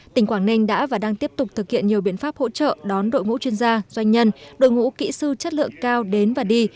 tỉnh quảng ninh đã và đang tiếp tục thực hiện nhiều biện pháp hỗ trợ đón đội ngũ chuyên gia doanh nhân đội ngũ kỹ sư chất lượng cao đến và đi